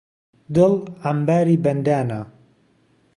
دڵ عەمباری بەندانە